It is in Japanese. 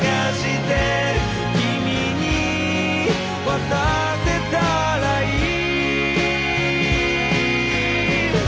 「君に渡せたらいい」